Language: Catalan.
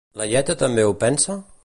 Laieta també ho pensa?